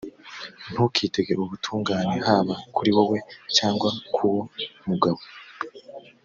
ntukitege ubutungane haba kuri wowe cyangwa ku wo mugabo